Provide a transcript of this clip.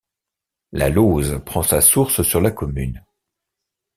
La Lauze prend sa source sur la commune.